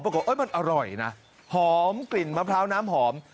มันอร่อยนะหอมกลิ่นมะพร้าวน้ำหอม